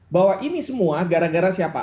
bahwa ini semua gara gara siapa